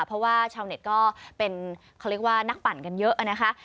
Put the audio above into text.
เพราะว่าชาวเน็ตก็เป็นเขาเรียกว่านักปั่นกันเยอะนะคะ